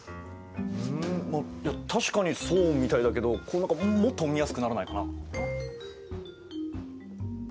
確かにそうみたいだけどもっと見やすくならないかな？